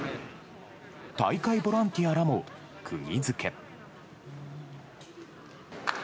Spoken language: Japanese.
大会ボランティアらもくぎづけ。